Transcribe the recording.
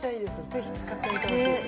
ぜひ使ってみてほしいです